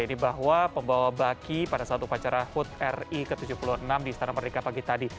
ini bahwa pembawa baki pada saat upacara hud ri ke tujuh puluh enam di istana merdeka pagi tadi